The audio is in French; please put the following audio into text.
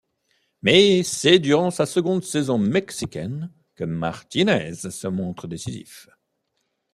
Mais c'est durant sa seconde saison mexicaine que Martínez se montre décisif.